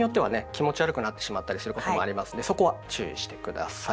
気持ち悪くなってしまったりすることもありますのでそこは注意して下さい。